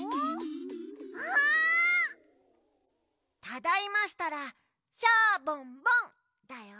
ただいましたら「シャボンボン」だよ。